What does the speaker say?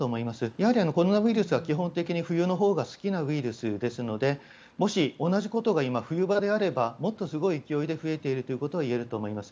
やはりコロナウイルスは基本的に冬のほうが好きなウイルスですのでもし、同じことが今冬場であればもっとすごい勢いで増えているということは言えると思います。